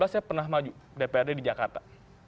dua ribu empat belas saya pernah maju dprd di jakarta